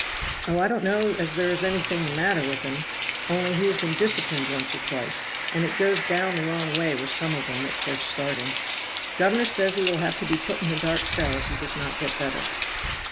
"Oh, I don't know as there is anything the matter with him; only he has been disciplined once or twice, and it goes down the wrong way with some of them at first starting. Governor says he will have to be put in the dark cell if he does not get better."